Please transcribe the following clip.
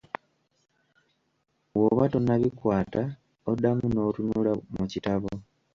Bw'oba tonnabikwata, oddamu n'otunula mu kitabo.